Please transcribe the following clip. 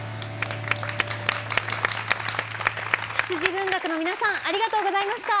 羊文学の皆さんありがとうございました。